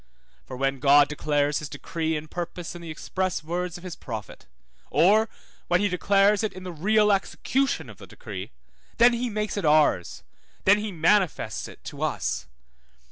for when God declares his decree and purpose in the express words of his prophet, or when he declares it in the real execution of the decree, then he makes it ours, then he manifests it to us.